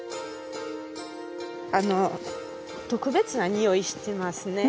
あの特別なにおいしてますね？